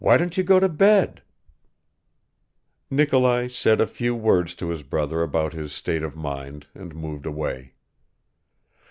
Why don't you go to bed?" Nikolai said a few words to his brother about his state of mind and moved away.